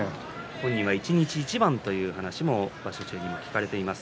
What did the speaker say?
本人は一日一番という話も場所中に聞かれています。